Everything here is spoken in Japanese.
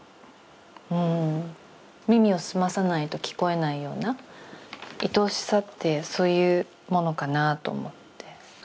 うん耳を澄まさないと聞こえないようないとしさってそういうものかなと思って。